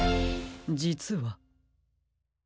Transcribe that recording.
じつは。